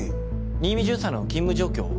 新見巡査の勤務状況を。